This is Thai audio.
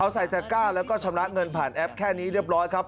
ใส่ตะก้าแล้วก็ชำระเงินผ่านแอปแค่นี้เรียบร้อยครับ